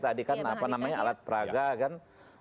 tadi kan apa namanya alat peraga kan